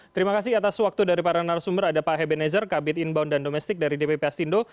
terima kasih atas waktu dari paranar sumer ada pak heben ezer kabinet inbound dan domestik dari dpps tindo